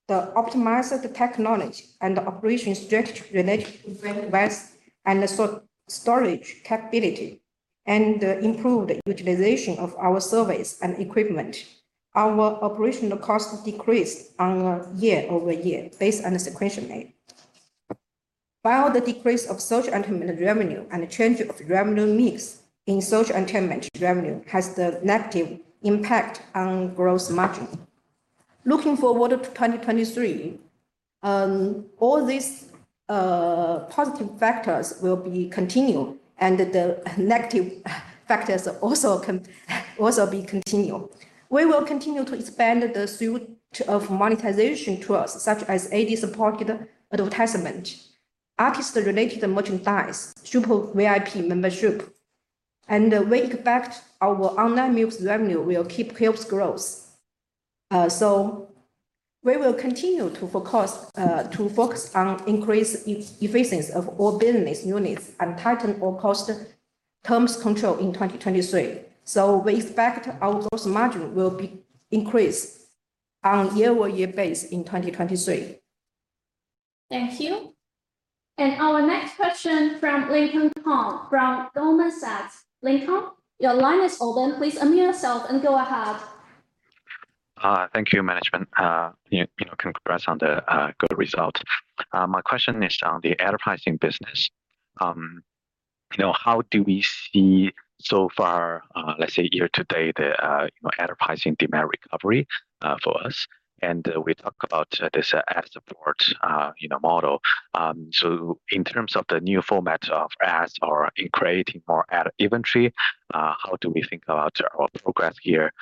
[SPEAKER 4] the optimized technology and operation strategy related to bandwidth and the storage capability and improved utilization of our service and equipment. Our operational cost decreased on a year-over-year basis and sequentially. While the decrease of social entertainment revenue and change of revenue mix in social entertainment revenue has the negative impact on gross margin. Looking forward to 2023, all these positive factors will be continued, the negative factors also be continued. We will continue to expand the suite of monetization tools such as ad supported advertisement, artist related merchandise, Super VIP membership, the wake fact our online music revenue will keep helps growth. We will continue to focus on increased efficiency of all business units and tighten our cost terms control in 2023. We expect our gross margin will be increased on a year-over-year basis in 2023.
[SPEAKER 5] Thank you. Our next question from Lincoln Kong from Goldman Sachs. Lincoln, your line is open. Please unmute yourself and go ahead.
[SPEAKER 8] Thank you management. You, you know, congrats on the good result. My question is on the advertising business. You know, how do we see so far, let's say year to date, you know, advertising demand recovery for us? We talk about this ad support, you know, model. In terms of the new format of ads or in creating more ad inventory, how do we think about our progress here?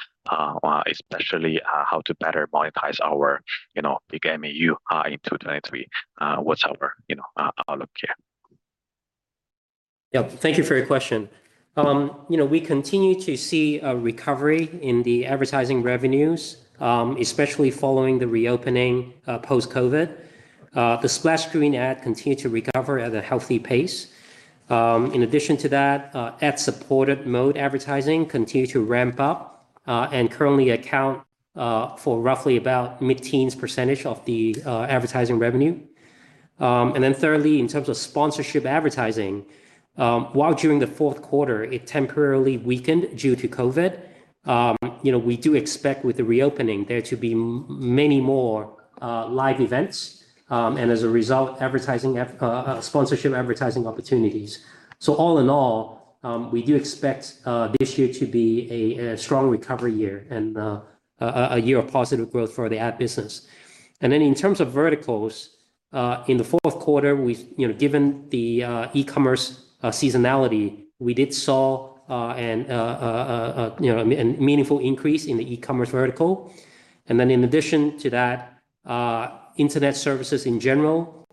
[SPEAKER 8] Especially, how to better monetize our, you know, big MAU in 2023? What's our, you know, outlook here?
[SPEAKER 1] Thank you for your question. You know, we continue to see a recovery in the advertising revenues, especially following the reopening post COVID. The splash screen ad continue to recover at a healthy pace. In addition to that, ad supported mode advertising continue to ramp up and currently account for roughly about mid-teens% of the advertising revenue. Thirdly, in terms of sponsorship advertising, while during the fourth quarter, it temporarily weakened due to COVID, you know, we do expect with the reopening there to be many more live events, and as a result, sponsorship advertising opportunities. All in all, we do expect this year to be a strong recovery year and a year of positive growth for the ad business. In terms of verticals, in the fourth quarter, we, you know, given the e-commerce seasonality, we did saw an, you know, a meaningful increase in the e-commerce vertical. In addition to that, internet services in general,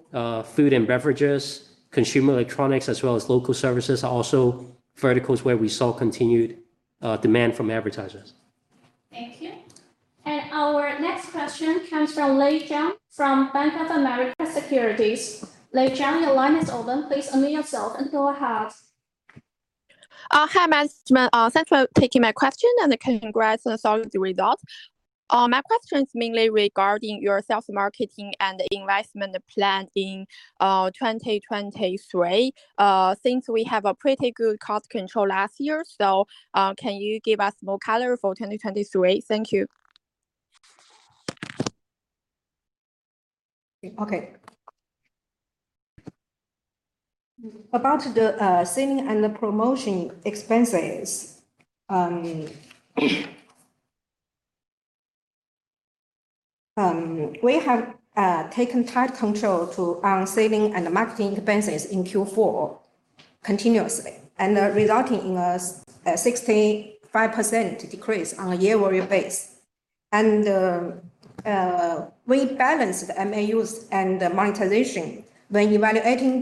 [SPEAKER 1] food and beverages, consumer electronics, as well as local services are also verticals where we saw continued demand from advertisers.
[SPEAKER 5] Thank you. Our next question comes from Lei Zhang from Bank of America Securities. Lei Zhang, your line is open. Please unmute yourself and go ahead.
[SPEAKER 9] Hi management. Thanks for taking my question, and congrats on all of the results. My question's mainly regarding your sales marketing and investment plan in 2023. Since we have a pretty good cost control last year, so, can you give us more color for 2023? Thank you.
[SPEAKER 4] Okay. About the selling and the promotion expenses, we have taken tight control to our selling and marketing expenses in Q4 continuously, resulting in a 65% decrease on a year-over-year base. We balance the MAUs and the monetization when evaluating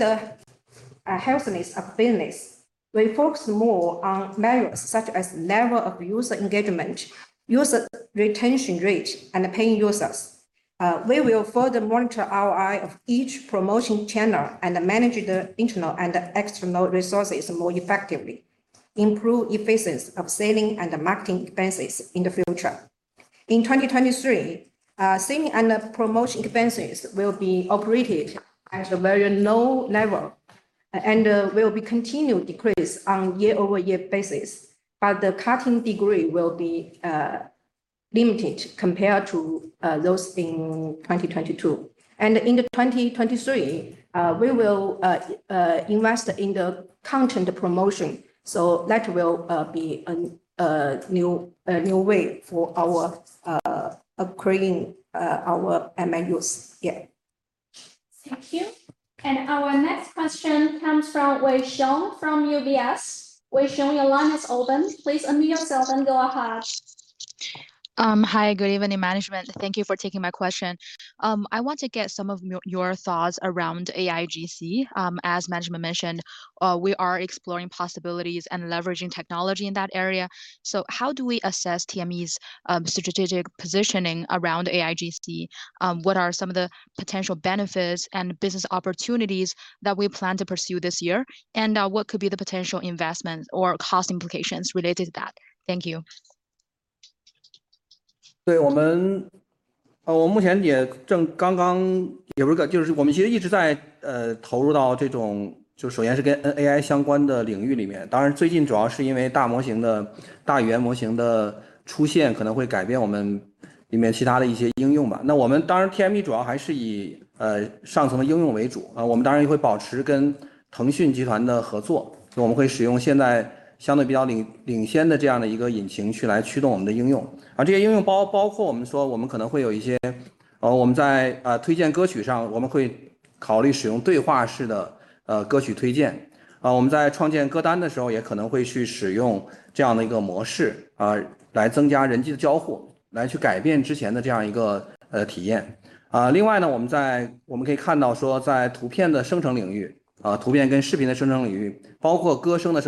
[SPEAKER 4] the healthiness of business. We focus more on measures such as level of user engagement, user retention rate, and paying users. We will further monitor ROI of each promotion channel and manage the internal and external resources more effectively, improve efficiency of selling and the marketing expenses in the future. In 2023, selling and promotion expenses will be operated at a very low level and will be continued decrease on year-over-year basis, but the cutting degree will be limited compared to those in 2022. In the 2023, we will invest in the content promotion, so that will be a new way for our upgrading our MAUs. Yeah.
[SPEAKER 5] Thank you. Our next question comes from Wei Xiong from UBS. Wei Xiong, your line is open. Please unmute yourself and go ahead.
[SPEAKER 10] Hi. Good evening management. Thank you for taking my question. I want to get some of your thoughts around AIGC. As management mentioned, we are exploring possibilities and leveraging technology in that area. How do we assess TME's strategic positioning around AIGC? What are some of the potential benefits and business opportunities that we plan to pursue this year? What could be the potential investments or cost implications related to that? Thank you.
[SPEAKER 1] 对我们
[SPEAKER 3] In the future, we will probably invest more in our own LLM, a large language model. We will invest in our own research and development. In this field, we can drive our subsequent development in areas closely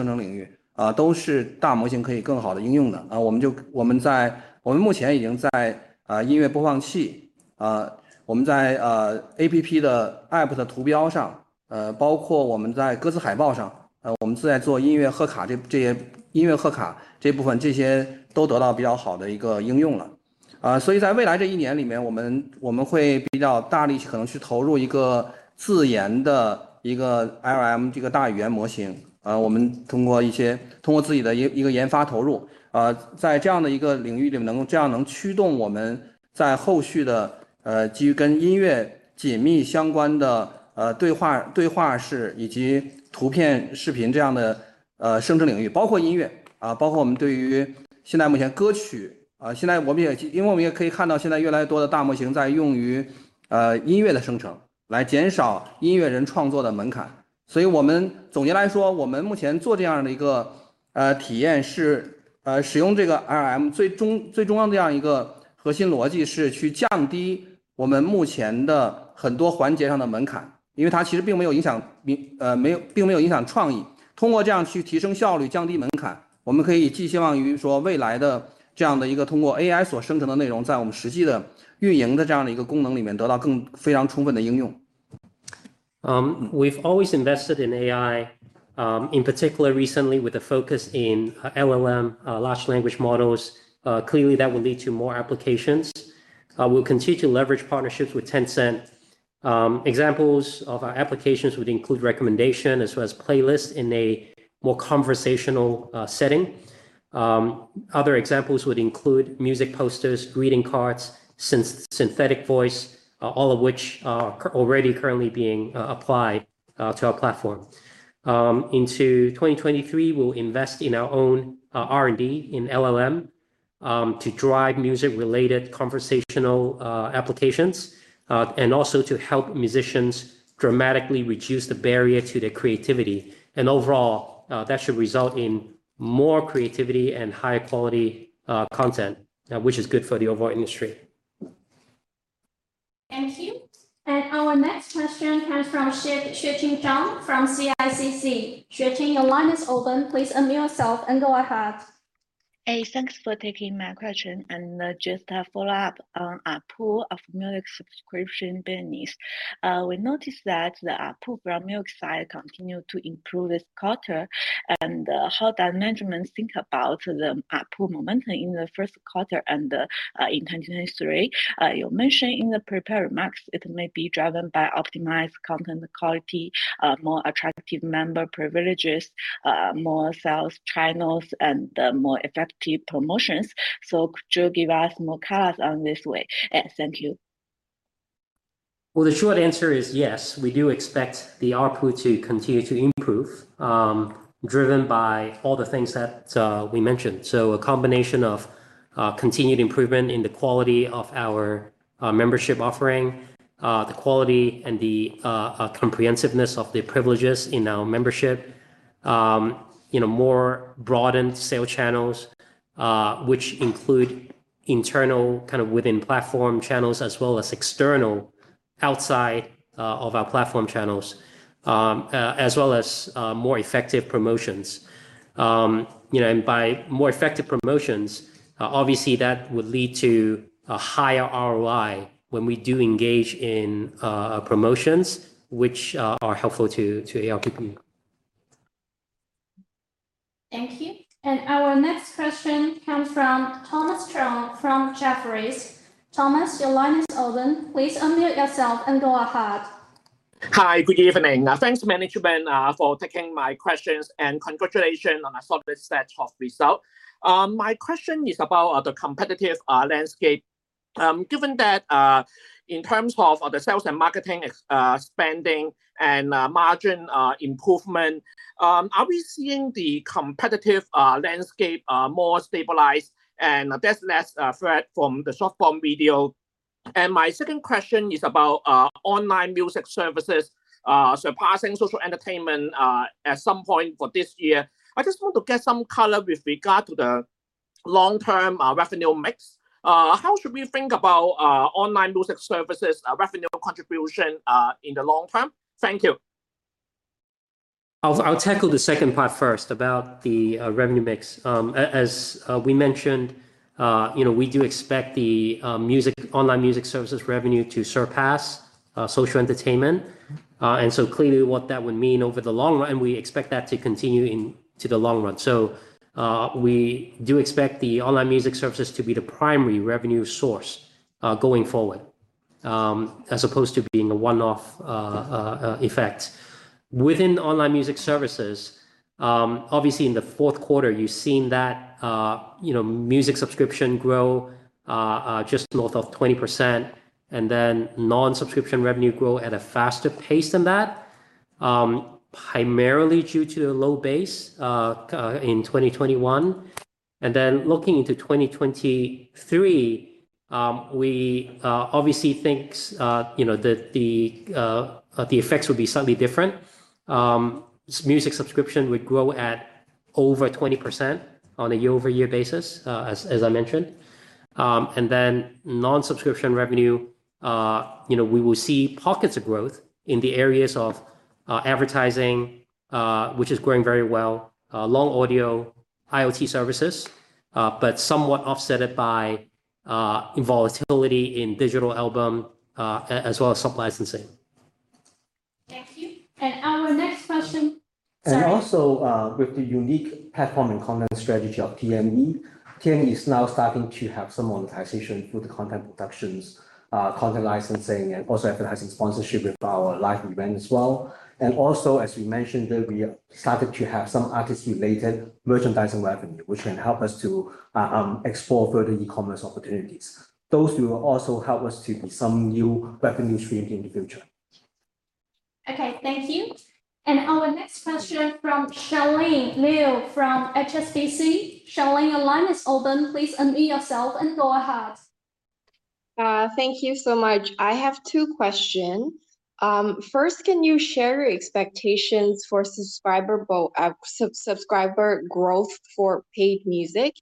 [SPEAKER 3] related to music, such as dialogue boxes, as well as image and video generation, including music, including our current songs. We can also see that more and more large models are now being used in music generation to reduce the threshold for music creators. In summary, what we are currently doing is an experience using this LLM. The ultimate core logic is to reduce the thresholds at many of our current stages, because it actually does not affect creativity. By doing this to improve efficiency and reduce thresholds, we can look forward to the future of such content generated by AI in our actual operation of such a function to get more, very full application.
[SPEAKER 1] We've always invested in AI, in particular recently with a focus in LLM, large language models. Clearly that will lead to more applications. We'll continue to leverage partnerships with Tencent. Examples of our applications would include recommendation as well as playlists in a more conversational setting. Other examples would include music posters, greeting cards, synthetic voice, all of which are already currently being applied to our platform. Into 2023, we'll invest in our own R&D in LLM to drive music-related conversational applications and also to help musicians dramatically reduce the barrier to their creativity. Overall, that should result in more creativity and high quality content, which is good for the overall industry.
[SPEAKER 5] Thank you. Our next question comes from Xueqing Zhang from CICC. Xueqing, your line is open. Please unmute yourself and go ahead.
[SPEAKER 11] Hey, thanks for taking my question. Just a follow-up on ARPPU of music subscription business. We noticed that the ARPU for music side continued to improve this quarter. How does management think about the ARPPU momentum in the first quarter and, in 2023? You mentioned in the prepared remarks it may be driven by optimized content quality, more attractive member privileges, more sales channels, and, more effective promotions. Could you give us more color on this way? Thank you.
[SPEAKER 1] Well, the short answer is yes. We do expect the ARPPU to continue to improve, driven by all the things that we mentioned. A combination of continued improvement in the quality of our membership offering, the quality and the comprehensiveness of the privileges in our membership, you know, more broadened sale channels, which include internal, kind of within platform channels, as well as external, outside of our platform channels, as well as more effective promotions. You know, by more effective promotions, obviously that would lead to a higher ROI when we do engage in promotions which are helpful to ARPU.
[SPEAKER 5] Thank you. Our next question comes from Thomas Chong from Jefferies. Thomas, your line is open. Please unmute yourself and go ahead.
[SPEAKER 12] Hi. Good evening. Thanks management for taking my questions. Congratulations on a solid start of result. My question is about the competitive landscape. Given that in terms of the sales and marketing spending and margin improvement, are we seeing the competitive landscape more stabilized and there's less threat from the short-form video? My second question is about online music services surpassing social entertainment at some point for this year. I just want to get some color with regard to the long-term revenue mix. How should we think about online music services' revenue contribution in the long term? Thank you.
[SPEAKER 1] I'll tackle the second part first about the revenue mix. As we mentioned, you know, we do expect the music, online music services revenue to surpass social entertainment. Clearly what that would mean over the long run, and we expect that to continue in to the long run. We do expect the online music services to be the primary revenue source going forward, as opposed to being a one-off effect. Within online music services, obviously in the fourth quarter, you've seen that, you know, music subscription grow just north of 20%, and then non-subscription revenue grow at a faster pace than that, primarily due to the low base in 2021. Looking into 2023, we obviously think, you know, that the effects will be slightly different. Music subscription would grow at over 20% on a year-over-year basis, as I mentioned. Non-subscription revenue, you know, we will see pockets of growth in the areas of advertising, which is growing very well, long audio, IoT services, but somewhat offsetted by volatility in digital album as well as sub-licensing.
[SPEAKER 5] our next question.
[SPEAKER 1] With the unique platform and content strategy of TME is now starting to have some monetization with the content productions, content licensing, and also advertising sponsorship with our live event as well. As we mentioned that we have started to have some artist-related merchandising revenue, which can help us to explore further e-commerce opportunities. Those will also help us to build some new revenue streams in the future.
[SPEAKER 5] Okay. Thank you. Our next question from Charlene Liu from HSBC. Charlene, your line is open. Please unmute yourself and go ahead.
[SPEAKER 13] Thank you so much. I have two question. First, can you share your expectations for subscriber growth for paid music?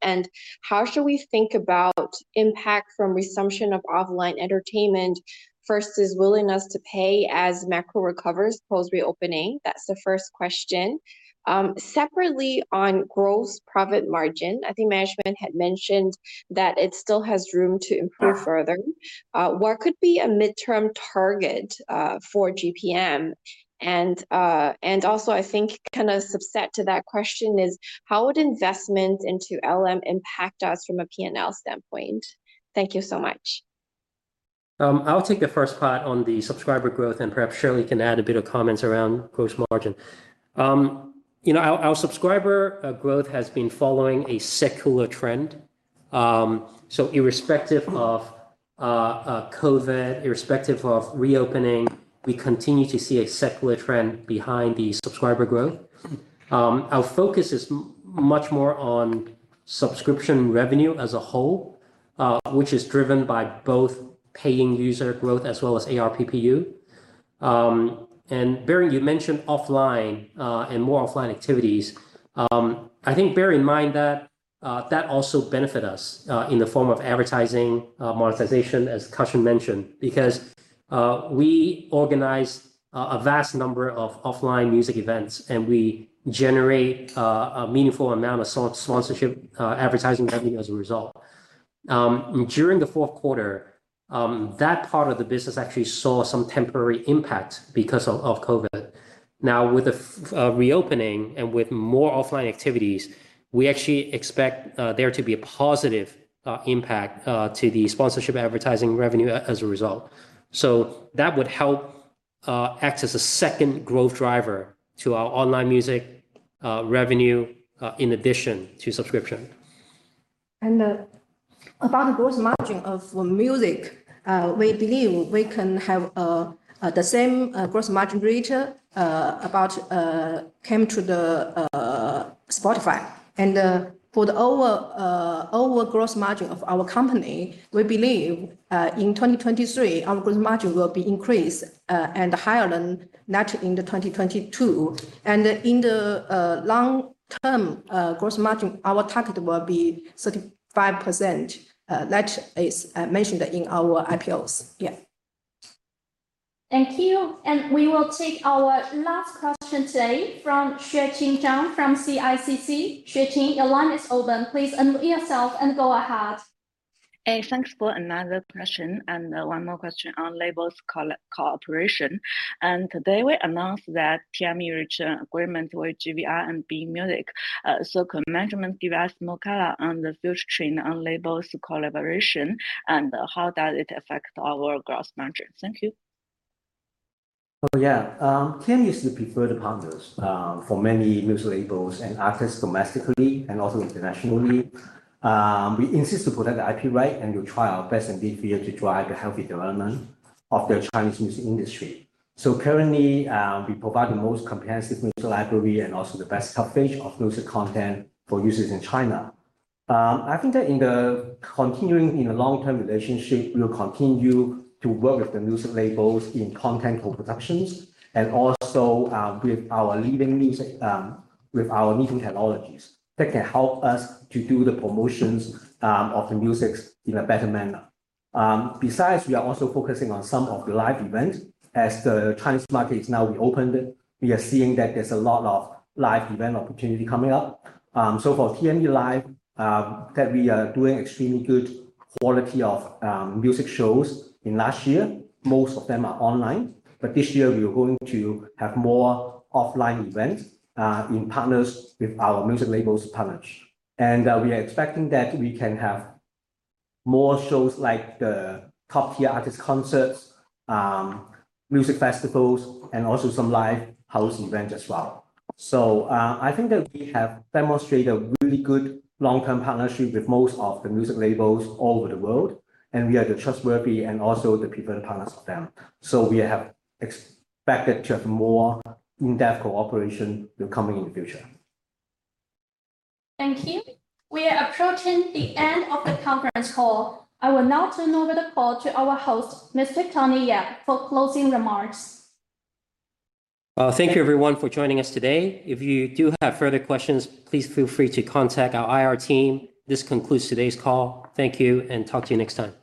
[SPEAKER 13] How should we think about impact from resumption of offline entertainment versus willingness to pay as macro recovers post reopening? That's the first question. Separately, on gross profit margin, I think management had mentioned that it still has room to improve further. What could be a midterm target for GPM? Also I think kind of subset to that question is: How would investment into LLM impact us from a P&L standpoint? Thank you so much.
[SPEAKER 1] I'll take the first part on the subscriber growth, and perhaps Shirley Hu can add a bit of comments around gross margin. You know, our subscriber growth has been following a secular trend. Irrespective of COVID, irrespective of reopening, we continue to see a secular trend behind the subscriber growth. Our focus is much more on subscription revenue as a whole, which is driven by both paying user growth as well as ARPU. Barry, you mentioned offline and more offline activities. I think bear in mind that that also benefit us in the form of advertising monetization, as Cussion Pang mentioned, because we organize a vast number of offline music events, and we generate a meaningful amount of so-sponsorship advertising revenue as a result. During the fourth quarter, that part of the business actually saw some temporary impact because of COVID. With the reopening and with more offline activities, we actually expect there to be a positive impact to the sponsorship advertising revenue as a result. That would help act as a second growth driver to our online music revenue in addition to subscription.
[SPEAKER 4] About the gross margin of music, we believe we can have the same gross margin rate about came to the Spotify. For the our gross margin of our company, we believe in 2023, our gross margin will be increased and higher than that in 2022. In the long-term gross margin, our target will be 35%. That is mentioned in our IPOs. Yeah.
[SPEAKER 5] Thank you. We will take our last question today from Xueqing Zhang from CICC. Xueqing, your line is open. Please unmute yourself and go ahead.
[SPEAKER 11] Hey, thanks for another question, one more question on labels collaboration. Today we announced that TME reached an agreement with GVR and B Music. Could management give us more color on the future trend on labels collaboration and how does it affect our gross margin? Thank you.
[SPEAKER 1] TME is the preferred partners for many music labels and artists domestically and also internationally. We insist to protect the IP right, and we try our best indeed here to drive the healthy development of the Chinese music industry. Currently, we provide the most comprehensive music library and also the best coverage of music content for users in China. I think that in the long-term relationship, we will continue to work with the music labels in content co-productions and also with our leading music, with our leading technologies that can help us to do the promotions of the musics in a better manner. Besides, we are also focusing on some of the live events. The Chinese market is now reopened, we are seeing that there's a lot of live event opportunity coming up. For TME live, that we are doing extremely good quality of music shows in last year. Most of them are online. This year, we are going to have more offline events in partners with our music labels partners. We are expecting that we can have more shows like the top-tier artist concerts, music festivals, and also some live house events as well. I think that we have demonstrated a really good long-term partnership with most of the music labels all over the world, and we are the trustworthy and also the preferred partners of them. We have expected to have more in-depth cooperation coming in the future.
[SPEAKER 5] Thank you. We are approaching the end of the conference call. I will now turn over the call to our host, Mr. Tony Yip, for closing remarks.
[SPEAKER 1] Thank you everyone for joining us today. If you do have further questions, please feel free to contact our IR team. This concludes today's call. Thank you, and talk to you next time.